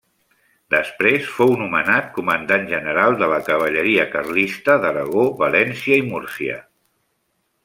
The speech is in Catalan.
Després fou nomenat comandant general de la cavalleria carlista d'Aragó, València i Múrcia.